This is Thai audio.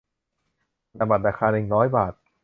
ธนบัตรราคาหนึ่งร้อยบาท